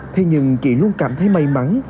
thế nhưng chị luôn cảm thấy may mắn